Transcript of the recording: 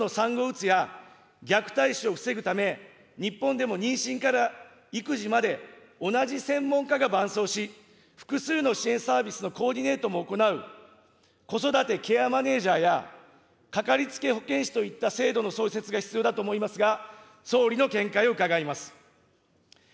出産直後の産後うつや、虐待死を防ぐため、日本でも妊娠から育児まで同じ専門家が伴走し、複数の支援サービスのコーディネートも行う子育てケアマネージャーや、かかりつけ保健師といった制度の創設が必要だと思いますが、総理の見解を伺います。